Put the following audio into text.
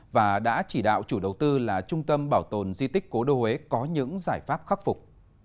và đã chỉ đạo chủ đầu tư là trung tâm bảo tồn di tích cố đô huế có những giải pháp khắc phục